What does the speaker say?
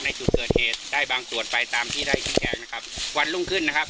ในจุดเกิดเหตุได้บางส่วนไปตามที่ได้ชี้แจงนะครับวันรุ่งขึ้นนะครับ